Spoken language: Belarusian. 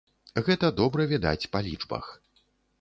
Гэта добра відаць па лічбах.